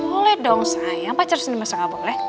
boleh dong sayang pacar seni masa gak boleh